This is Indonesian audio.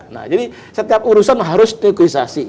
nah jadi setiap urusan harus negosiasi